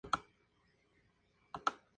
Al día siguiente es el día de la boda.